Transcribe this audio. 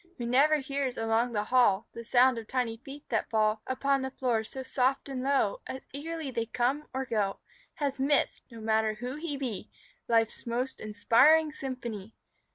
Who never hears along the hall The sound of tiny feet that fall Upon the floor so soft and low As eagerly they come or go, Has missed, no matter who he be, Life's most inspiring symphony.